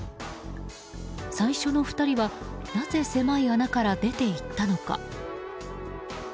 最初の２人はなぜ狭い穴から出ていったのか。